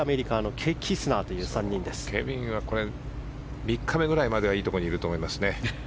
ケビンは３日目くらいまではいいところにいると思いますね。